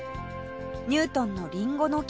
ニュートンのリンゴの木の他